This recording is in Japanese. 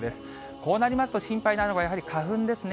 こうなりますと、心配なのがやはり花粉ですね。